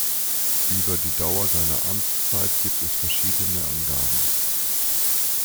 Über die Dauer seiner Amtszeit gibt es verschiedene Angaben.